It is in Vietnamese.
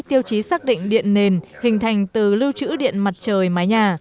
tiêu chí xác định điện nền hình thành từ lưu trữ điện mặt trời mái nhà